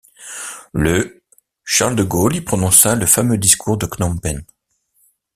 Le Charles de Gaulle y prononça le fameux discours de Phnom Penh.